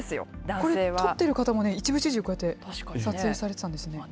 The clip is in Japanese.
これ、撮ってる方も一部始終、こうやって撮影されてたんですね。